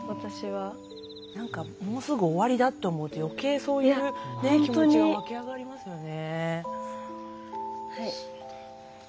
もうすぐ終わりだって思うと、余計そういう気持ちが湧き上がりますよね。